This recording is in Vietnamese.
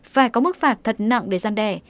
phải có mức phạt thật nặng để gian đẻ